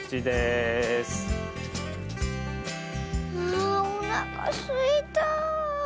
あおなかすいた。